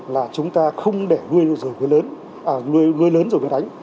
là chúng ta không để người lớn rồi người đánh